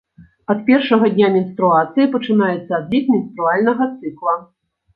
Ад першага дня менструацыі пачынаецца адлік менструальнага цыкла.